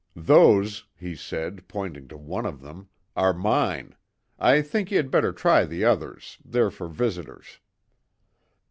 "Those," he said, pointing to one of them, "are mine. I think ye had better try the others; they're for visitors."